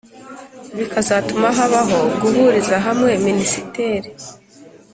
bikazatuma habaho guhurizahamwe minisiteri